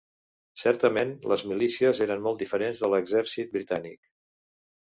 Certament, les milícies eren molt diferents de l'exèrcit britànic.